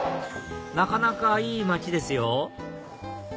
なかなかいい街ですよ